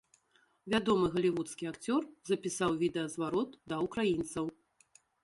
Вядомы галівудскі акцёр запісаў відэазварот да ўкраінцаў.